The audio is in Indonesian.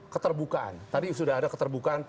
keterbukaan tadi sudah ada keterbukaan